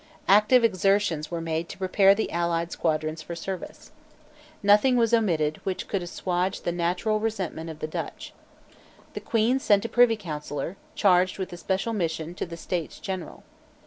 Active exertions were made to prepare the allied squadrons for service. Nothing was omitted which could assuage the natural resentment of the Dutch. The Queen sent a Privy Councillor, charged with a special mission to the States General.